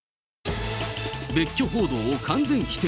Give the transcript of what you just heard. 別居報道を完全否定。